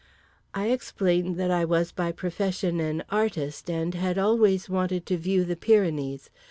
I explained that I was by profession an artist, and had always wanted to view the Pyrenees.